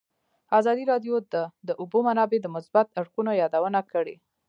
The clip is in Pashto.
ازادي راډیو د د اوبو منابع د مثبتو اړخونو یادونه کړې.